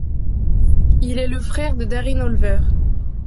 Il est le frère de Darin Olver.